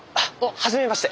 はじめまして。